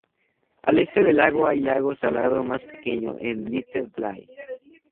Al este del lago hay lago salado más pequeño, en Little Bay.